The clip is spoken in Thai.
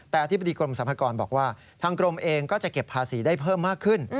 แต่อธิบดีกรมสรรพากรบอกว่าทางกรมเองก็จะเก็บภาษีได้เพิ่มมากขึ้น